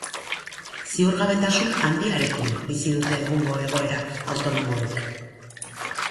Ziurgabetasun handiarekin bizi dute egungo egoera autonomoek.